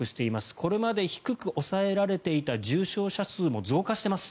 これまで低く抑えられていた重症者数も増加しています。